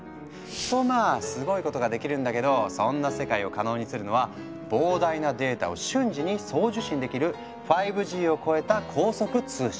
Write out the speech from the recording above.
とまあすごいことができるんだけどそんな世界を可能にするのは膨大なデータを瞬時に送受信できる５Ｇを超えた高速通信。